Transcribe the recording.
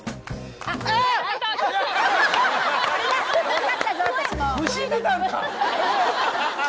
わかったぞ私も。